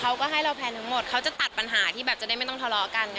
เขาก็ให้เราแพลนทั้งหมดเขาจะตัดปัญหาที่แบบจะได้ไม่ต้องทะเลาะกัน